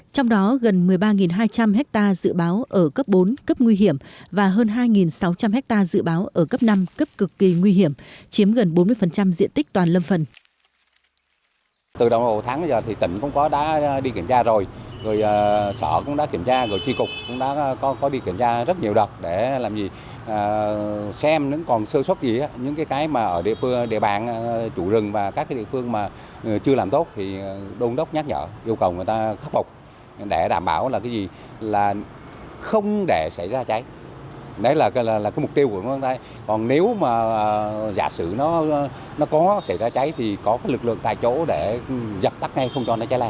trong đó gần một mươi ba hai trăm linh ha dự báo ở cấp bốn cấp nguy hiểm và hơn hai sáu trăm linh ha dự báo ở cấp năm cấp cực kỳ nguy hiểm chiếm gần bốn mươi diện tích toàn lâm phần